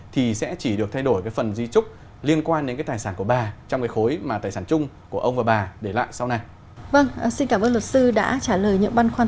thì sẽ chỉ được thay đổi phần di trúc liên quan đến tài sản của bà trong khối tài sản chung của ông và bà để lại sau này